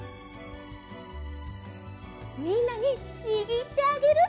みんなににぎってあげるの！